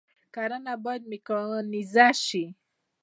کرنه باید میکانیزه شي